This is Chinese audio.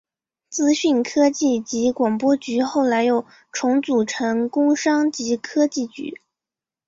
资讯科技及广播局后来又重组成工商及科技局。